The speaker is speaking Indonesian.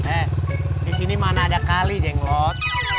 eh di sini mana ada kali jenggot